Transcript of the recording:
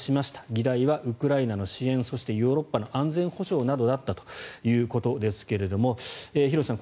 議題はウクライナの支援そしてヨーロッパの安全保障などだったということですが廣瀬さん